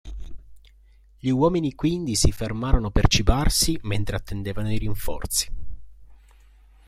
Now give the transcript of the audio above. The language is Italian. Gli uomini quindi si fermarono per cibarsi mentre attendevano i rinforzi.